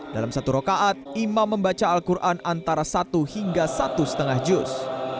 dalam satu rokaat imam membaca al quran antara satu hingga satu lima juz